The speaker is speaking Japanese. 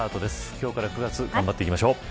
今日から９月頑張っていきましょう。